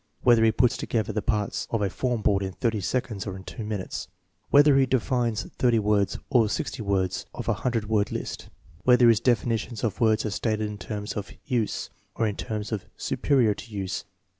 Whether he puts together the parts of a form board in thirty seconds or in two minutes? Whether he defines thirty words or sixty words ttf a hundred word list? Whether his definitions of words are stated in terms of "use" or in terms "su perior to use